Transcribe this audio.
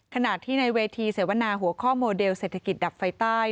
ขณะที่ในเวทีเสวนาหัวข้อโมเดลเศรษฐกิจดับไฟใต้